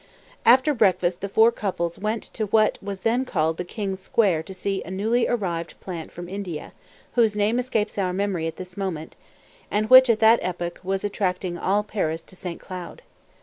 After breakfast the four couples went to what was then called the King's Square to see a newly arrived plant from India, whose name escapes our memory at this moment, and which, at that epoch, was attracting all Paris to Saint Cloud.